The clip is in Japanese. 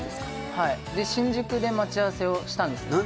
はい新宿で待ち合わせをしたんですね